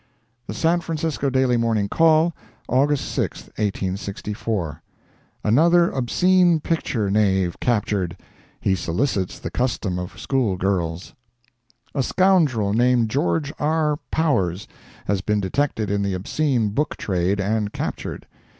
The San Francisco Daily Morning Call, August 6, 1864 ANOTHER OBSCENE PICTURE KNAVE CAPTURED—HE SOLICITS THE CUSTOM OF SCHOOL GIRLS A scoundrel named George R. Powers has been detected in the obscene book trade and captured.